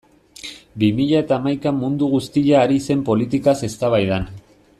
Bi mila eta hamaikan mundu guztia ari zen politikaz eztabaidan.